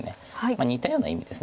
似たような意味です